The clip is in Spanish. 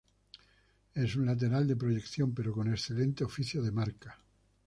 Es un lateral de proyección pero con excelente oficio de marca.